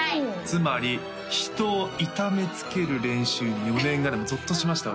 つまり人を痛めつける練習に余念がないゾッとしました